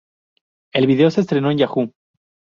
El video se estrenó en Yahoo!